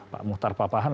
pak muhtar papahan